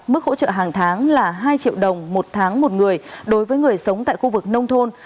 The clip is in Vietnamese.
mức hỗ trợ hàng tháng là hai triệu đồng một tháng một người đối với người sống tại khu vực nông thôn